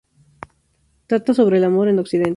Trata sobre el amor en Occidente.